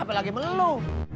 pembeli makanan yang paling enak